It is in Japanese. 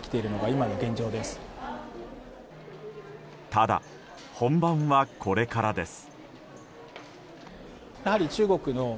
ただ、本番はこれからです。